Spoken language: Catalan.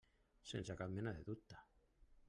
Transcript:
Sense cap mena de dubte.